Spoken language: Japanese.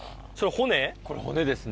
これ骨ですね。